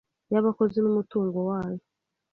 y abakozi n umutungo wayo